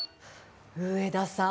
上田さん